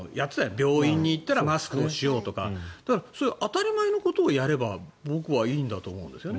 病院に行ったらマスクしようとかそういう当たり前のことをやれば僕はいいんだと思うんですね。